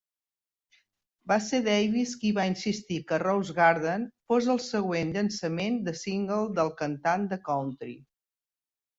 Va ser Davis qui va insistir que "Rose Garden" fos el següent llançament de single del cantant de country.